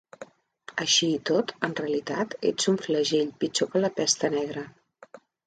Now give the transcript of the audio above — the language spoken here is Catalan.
Així i tot, en realitat, ets un flagell pitjor que la Pesta Negra.